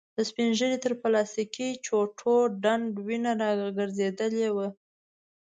د سپين ږيري تر پلاستيکې چوټو ډنډ وينه را ګرځېدلې وه.